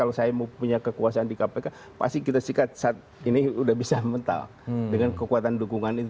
kalau saya mau punya kekuasaan di kpk pasti kita sikat saat ini sudah bisa mental dengan kekuatan dukungan itu